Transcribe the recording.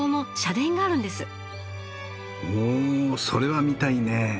おそれは見たいね。